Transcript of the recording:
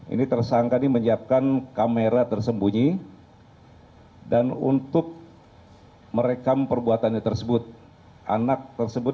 ini tersangka ini menyiapkan kamera tersembunyi dan untuk merekam perbuatannya tersebut anak tersebut